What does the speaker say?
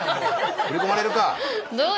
振り込まれるか！